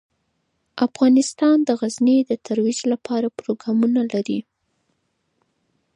افغانستان د غزني د ترویج لپاره پروګرامونه لري.